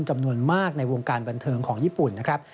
จำนวนมากในวงการบันเทิงของญี่ปุ่นนะครับ